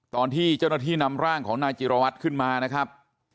ตอนที่เจ้าหน้าที่นำร่างของนายจิรวัตรขึ้นมานะครับ